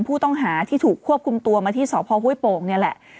ผู้ต้องหาที่ถูกควบคุมตัวมาที่สพห้วยโป่งนี่แหละ